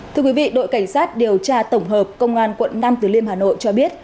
thưa quý vị đội cảnh sát điều tra tổng hợp công an quận nam từ liêm hà nội cho biết